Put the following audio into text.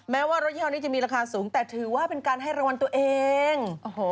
แม้ว่ารถยี่ห้อนี้จะมีราคาสูงแต่ถือว่าเป็นการให้รางวัลตัวเอง